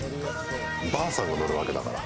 ばあさんが乗るわけだから。